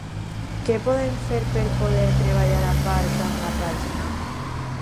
Què podem fer per poder treballar a part amb la pàgina?